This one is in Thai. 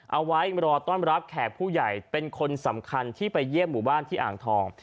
เอาไว้รอต้อนรับแขกผู้ใหญ่เป็นคนสำคัญที่ไปเยี่ยมหมู่บ้านที่อ่างทอง